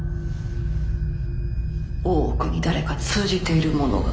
大奥に誰か通じている者が。